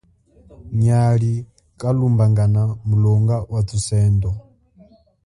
Nyali halumbangana mulonga wathusendo.